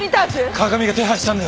川上が手配したんだよ